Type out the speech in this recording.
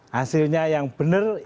hasilnya yang benar